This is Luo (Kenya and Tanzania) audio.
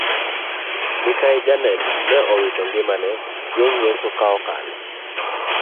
Mikai janet neowito ngimane chieng ngeso kaokalo